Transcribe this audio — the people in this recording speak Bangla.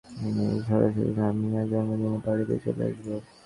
আমি সরাসরি রামিয়ার জন্মদিনের পার্টিতে চলে আসব।